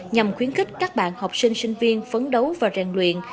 nhằm khuyến khích các bạn học sinh sinh viên phấn đấu và rèn luyện